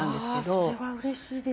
それはうれしいです。